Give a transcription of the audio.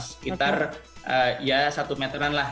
sekitar ya satu meteran lah